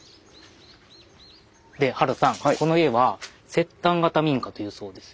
でハルさんこの家は摂丹型民家というそうですよ。